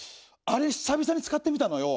あれ久々に使ってみたのよ。